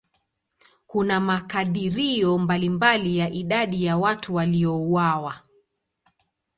Kuna makadirio mbalimbali ya idadi ya watu waliouawa.